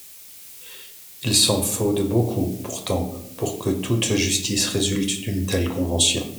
Il s'en faut de beaucoup, pourtant, pour que toute justice résulte d'une telle convention.